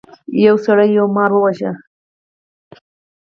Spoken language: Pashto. یو سړي یو مار وواژه.